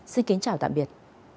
xin kính chào tạm biệt